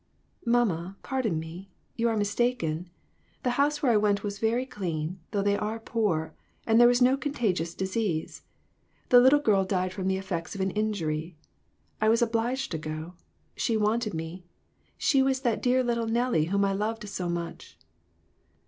" Mamma, pardon me, you are mistaken. The house where I went was very clean, though they are poor, and there was no contagious disease. The little girl died from the effects of an injury. I was obliged to go; she wanted me. She was that dear little Nellie whom I loved so much."